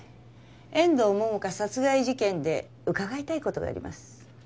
遠藤桃花殺害事件で伺いたい事があります。